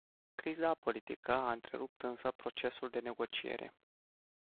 Criza politică a întrerupt însă procesul de negociere.